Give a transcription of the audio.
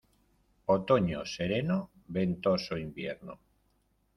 Otoño sereno, ventoso invierno.